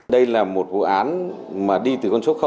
đây là một vụ án mà đi từ con số